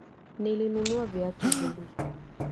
Nilinunu viatu vingi.